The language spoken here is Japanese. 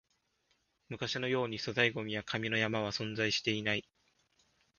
昔のように粗大ゴミや紙の山は存在していない